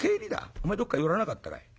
おめえどっか寄らなかったかい？」。